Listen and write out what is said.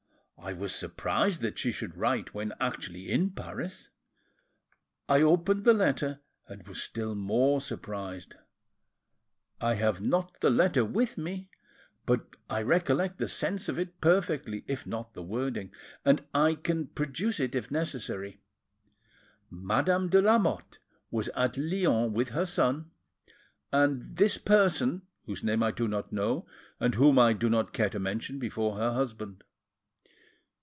I was surprised that she should write, when actually in Paris; I opened the letter, and was still more surprised. I have not the letter with me, but I recollect the sense of it perfectly, if not the wording, and I can produce it if necessary. Madame de Lamotte was at Lyons with her son and this person whose name I do not know, and whom I do not care to mention before her husband.